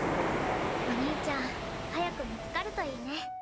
お兄ちゃん早く見つかるといいね。